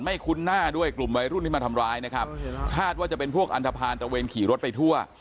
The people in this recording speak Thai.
คุ้นหน้าด้วยกลุ่มวัยรุ่นที่มาทำร้ายนะครับคาดว่าจะเป็นพวกอันทภาณตระเวนขี่รถไปทั่ว